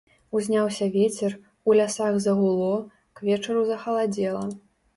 Узняўся вецер, у лясах загуло, к вечару захаладала.